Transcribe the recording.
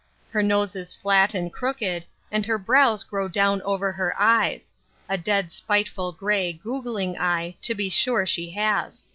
Her nose is flat and crooked, and her brows grow down over her eyes; a dead spiteful, grey, goggling eye, to be sure she has.